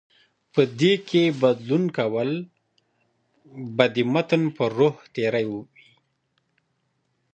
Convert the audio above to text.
په دې کې بدلون کول به د متن پر روح تېری وي